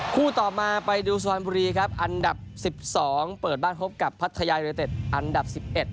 ต่อมาไปดูสุพรรณบุรีครับอันดับ๑๒เปิดบ้านพบกับพัทยายูเนเต็ดอันดับ๑๑